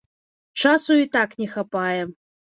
Часу і так не хапае.